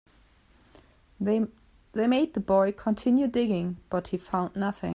They made the boy continue digging, but he found nothing.